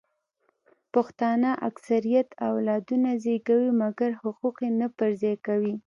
پښتانه اکثریت اولادونه زیږوي مګر حقوق یې نه پر ځای کوي